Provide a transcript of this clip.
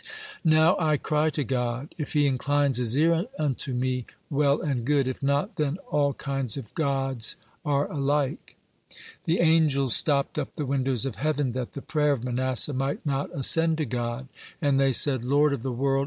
Now I cry to God. If He inclines His ear unto me, well and good; if not, then all kinds of god are alike." The angels stopped up the windows of heaven, that the prayer of Manasseh might not ascend to God, and they said: "Lord of the world!